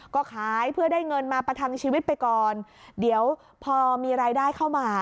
ก็ขายเพื่อได้เงินมาประทังชีวิตไปก่อนเดี๋ยวพอมีรายได้เข้ามา